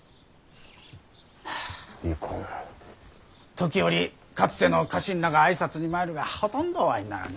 時折かつての家臣らが挨拶に参るがほとんどお会いにならぬ。